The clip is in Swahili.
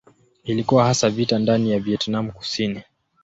Ilikuwa hasa vita ndani ya Vietnam Kusini.